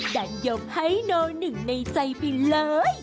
ดันยกให้โนหนึ่งในใจไปเลย